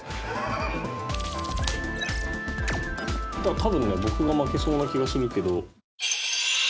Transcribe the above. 多分ね僕が負けそうな気がするけど。